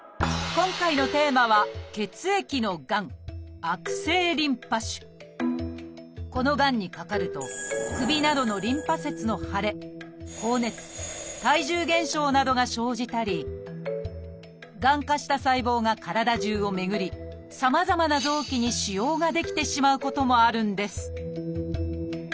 今回のテーマは血液のがんこのがんにかかると首などのなどが生じたりがん化した細胞が体じゅうを巡りさまざまな臓器に腫瘍が出来てしまうこともあるんです